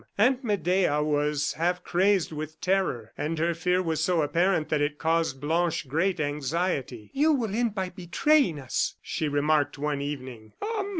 Aunt Medea was half crazed with terror; and her fear was so apparent that it caused Blanche great anxiety. "You will end by betraying us," she remarked, one evening.